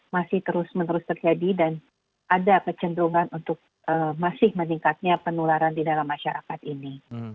masih terus menerus terjadi dan ada kecenderungan untuk masih meningkatnya penularan di dalam masyarakat ini